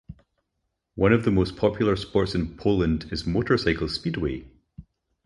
One of the most popular sports in Poland is motorcycle speedway.